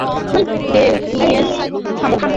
Damien, থামো!